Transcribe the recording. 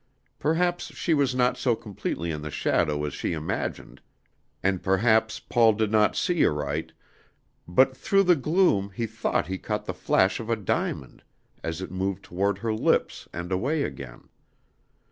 Perhaps she was not so completely in the shadow as she imagined, and perhaps Paul did not see aright, but through the gloom he thought he caught the flash of a diamond as it moved toward her lips and away again.